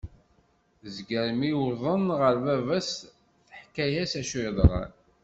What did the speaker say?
Tezger mi wḍen ɣer baba-s teḥka-as acu yeḍran.